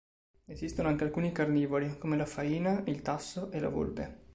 Esistono anche alcuni carnivori, come la faina, il tasso e la volpe.